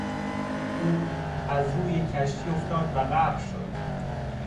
او از روی کشتی افتاد و غرق شد.